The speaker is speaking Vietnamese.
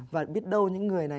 và biết đâu những người này